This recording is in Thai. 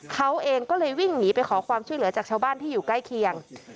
เขาเองก็เลยวิ่งหนีไปขอความช่วยเหลือจากชาวบ้านที่อยู่ใกล้เคียง